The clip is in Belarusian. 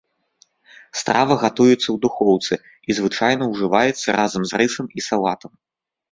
Страва гатуецца ў духоўцы і звычайна ўжываецца разам з рысам і салатам.